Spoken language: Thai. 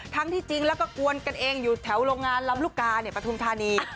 ที่จริงแล้วก็กวนกันเองอยู่แถวโรงงานลำลูกกาปฐุมธานี